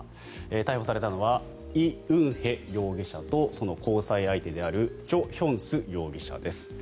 逮捕されたのはイ・ウンヘ容疑者とその交際相手であるチョ・ヒョンス容疑者です。